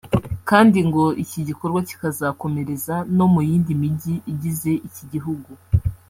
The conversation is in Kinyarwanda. kandi ngo iki gikorwa kikazakomereza no mu yindi mijyi igize iki gihugu